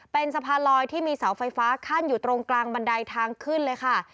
เป็นสะพานลอยที่มีเสาไฟฟ้าขั้นอยู่ตรงกลางบันไดทางขึ้นเลยค่ะ